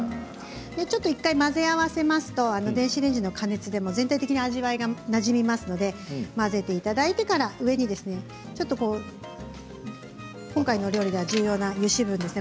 １回混ぜ合わせますと電子レンジの加熱でも全体的に味わいがなじみますので混ぜていただいてから上に今回の料理では重要な油脂分ですね。